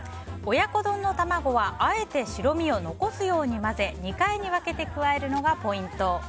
親子丼の卵はあえて白身を残すように混ぜ２回に分けて加えるのがポイント。